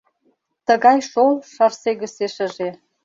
Тыгай шол Шарсегысе шыже.